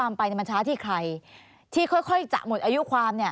อายการ